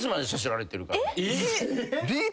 えっ！？